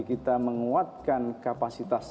kita menguatkan kapasitas